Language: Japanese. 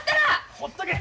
ほっとけ！